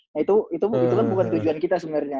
nah itu kan bukan tujuan kita sebenarnya